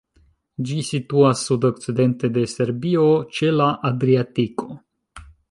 Ĝi situas sudokcidente de Serbio ĉe la Adriatiko.